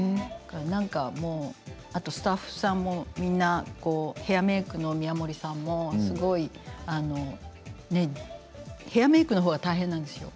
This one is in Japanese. あとスタッフさんもみんなヘアメークの方もヘアメークの方は大変なんですよ。